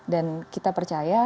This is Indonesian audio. dan kita percaya